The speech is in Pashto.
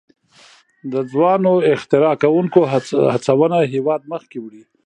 د ځوانو اختراع کوونکو هڅونه هیواد مخکې وړي.